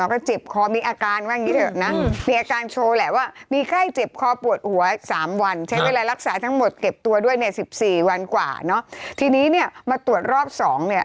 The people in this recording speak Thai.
ก็เจ็บคอมีอาการว่างนี้เดียวกัน